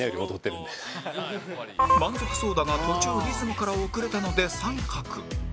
満足そうだが途中リズムから遅れたので△